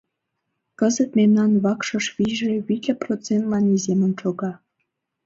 Кызыт мемнан вакшыш вийже витле процентлан иземын шога.